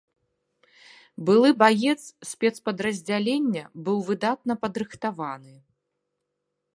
Былы баец спецпадраздзялення, быў выдатна падрыхтаваны.